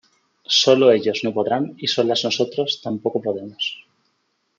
Solo ellos no podrán y solas nosotros tampoco podemos.